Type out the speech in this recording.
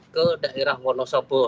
ke daerah wonosobo